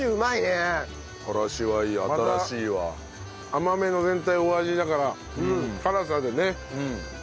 甘めの全体お味だから辛さでね。